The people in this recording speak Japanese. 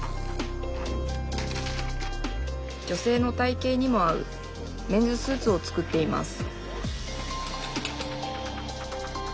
女性の体形にも合うメンズスーツを作っています